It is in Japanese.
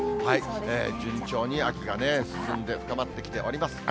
順調に秋が進んで、深まってきております。